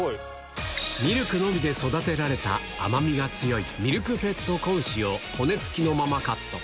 ミルクのみで育てられた、甘みが強いミルクフェッド仔牛を骨付きのままカット。